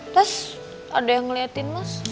terus ada yang ngeliatin mas